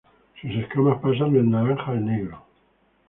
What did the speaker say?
Sus escamas pasan del naranja al negro.